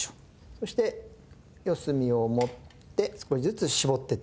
そして四隅を持って少しずつ絞っていってください。